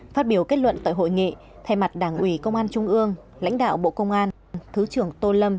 phát biểu kết luận tại hội nghị thay mặt đảng ủy công an trung ương lãnh đạo bộ công an thứ trưởng tô lâm